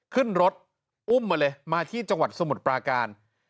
ขึ้นรถอุ้มมาเลยมาที่จังหวัดสมุทรปราการ